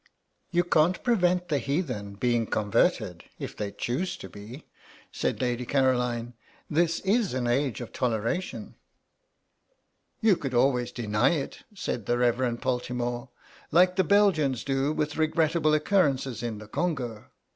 "You can't prevent the heathen being converted if they choose to be," said Lady Caroline; "this is an age of toleration." "You could always deny it," said the Rev. Poltimore, "like the Belgians do with regrettable occurrences in the Congo.